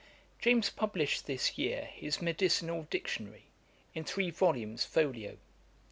' James published this year his Medicinal Dictionary, in three volumes folio.